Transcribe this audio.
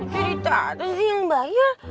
jadi tata sih yang bayar